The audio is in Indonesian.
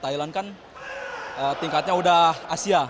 thailand kan tingkatnya udah asia